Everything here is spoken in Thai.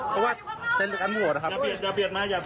ขอบคุณครับ